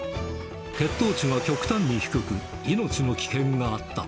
血糖値が極端に低く、命の危険があった。